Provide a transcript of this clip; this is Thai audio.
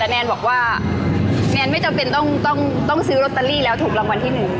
แต่แนนบอกว่าแนนไม่จำเป็นต้องซื้อลอตเตอรี่แล้วถูกรางวัลที่๑